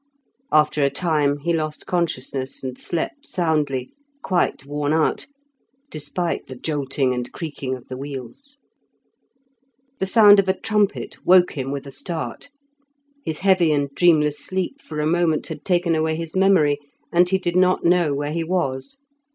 After a time he lost consciousness, and slept soundly, quite worn out, despite the jolting and creaking of the wheels. The sound of a trumpet woke him with a start. His heavy and dreamless sleep for a moment had taken away his memory, and he did not know where he was.